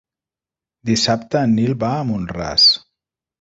Dissabte en Nil va a Mont-ras.